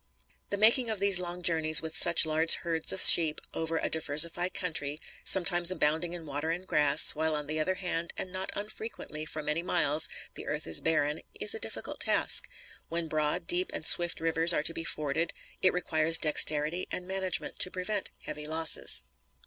The making of these long journeys with such large herds of sheep, over a diversified country, sometimes abounding in water and grass, while on the other hand, and not unfrequently, for many miles, the earth is barren, is a difficult task. When broad, deep and swift rivers are to be forded, it requires dexterity and management to prevent heavy losses.